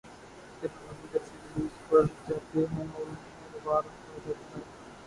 انتخابات میں جلسے جلوس بڑھ جاتے ہیں اور انہیں روا رکھا جاتا ہے۔